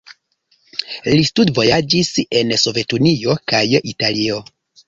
Li studvojaĝis en Sovetunio kaj Italio.